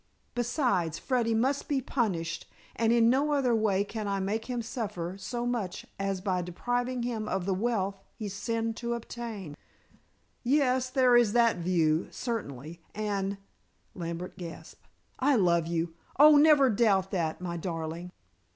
Besides, Freddy must be punished, and in no other way can I make him suffer so much as by depriving him of the wealth he sinned to obtain." "Yes. There is that view, certainly. And," Lambert gasped, "I love you oh, never doubt that, my darling."